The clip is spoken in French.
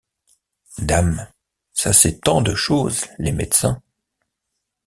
Dame, ça sait tant de choses, les médecins!